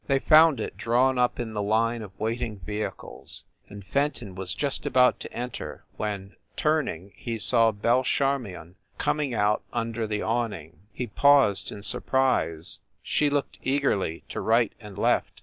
They found it, drawn up in the line of waiting vehicles, and Fenton was just about to enter when, turning, he saw Belle Charmion coming out under the awn ing. He paused in surprise; she looked eagerly to right and left.